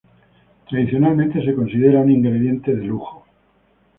Tradicionalmente se considera un ingrediente de lujo.